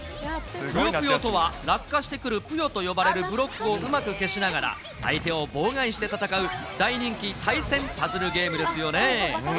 ぷよぷよとは、落下してくるぷよと呼ばれるブロックをうまく消しながら、相手を妨害して戦う、大人気対戦パズルゲームですよね。